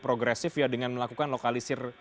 progresif dengan melakukan lokalisir